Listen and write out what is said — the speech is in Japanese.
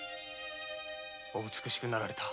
お美しくなられた。